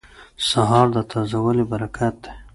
سهار د تازه والي برکت دی.